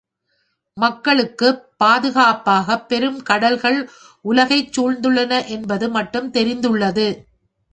மக்களுக்குப் பாதுகாப்பாகப் பெரும் கடல்கள் உலகைச் சூழ்ந்துள்ளன என்பது மட்டும் தெரிந்துள்ளது.